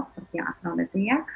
seperti yang asal betulnya